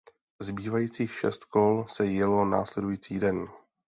Zbývajících šest kol se jelo následující den.